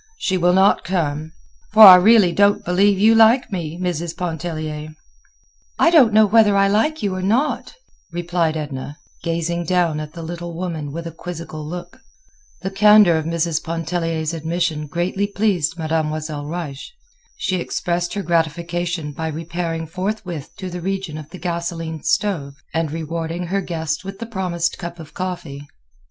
She will not come.' For I really don't believe you like me, Mrs. Pontellier." "I don't know whether I like you or not," replied Edna, gazing down at the little woman with a quizzical look. The candor of Mrs. Pontellier's admission greatly pleased Mademoiselle Reisz. She expressed her gratification by repairing forthwith to the region of the gasoline stove and rewarding her guest with the promised cup of coffee.